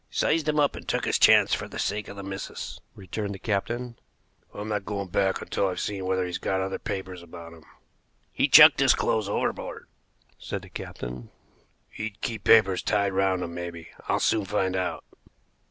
"Sized him up, and took his chance for the sake of the missus," returned the captain. "I'm not going back until I've seen whether he's got other papers about him." "He chucked his clothes overboard," said the captain. "He'd keep papers tied round him, maybe. I'll soon find out."